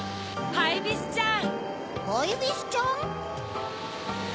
ハイビスちゃん？